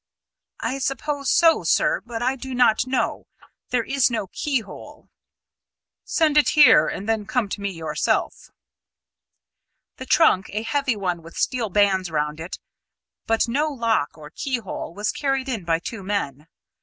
"I suppose so, sir; but I do not know. There is no keyhole." "Send it here; and then come to me yourself." The trunk, a heavy one with steel bands round it, but no lock or keyhole, was carried in by two men.